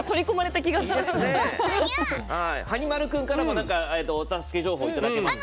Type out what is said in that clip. はに丸くんからもお助け情報いただけますか？